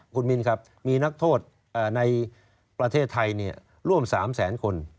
คุณมินครับมีนักโทษในประเทศไทยร่วม๓แสนคน